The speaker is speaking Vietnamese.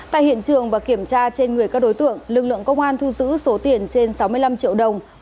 tại hiện trường và kiểm tra trên người các đối tượng lực lượng công an thu giữ số tiền trên sáu mươi năm triệu đồng